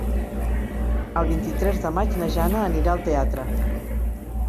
El vint-i-tres de maig na Jana anirà al teatre.